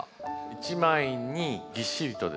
一枚にぎっしりとですね